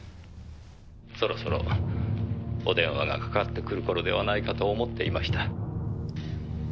「そろそろお電話がかかってくる頃ではないかと思っていました」